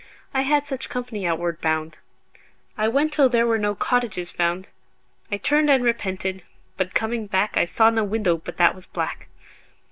I had such company outward bound. I went till there were no cottages found. I turned and repented, but coming back I saw no window but that was black.